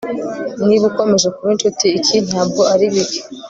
Niba ukomeje kuba inshuti iki ntabwo ari bike